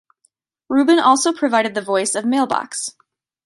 Rubin also provided the voice of Mailbox.